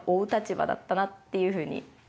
だったなっていうふうに。